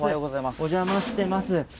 お邪魔してます。